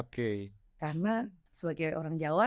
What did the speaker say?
karena sebagai orang jawa